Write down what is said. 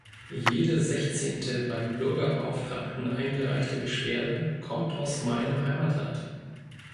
Jede sechzehnte beim Bürgerbeauftragten eingereichte Beschwerde kommt aus meinem Heimatland.